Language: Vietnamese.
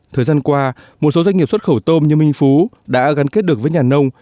thời gian qua một số doanh nghiệp xuất khẩu tôm như minh phú đã gắn kết được với nhà nông